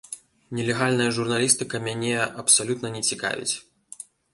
Нелегальная журналістыка мяне абсалютна не цікавіць.